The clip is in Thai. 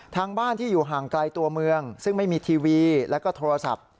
ทางบ้านที่อยู่ห่างไกลตัวเมืองซึ่งไม่มีทีวีแล้วก็โทรศัพท์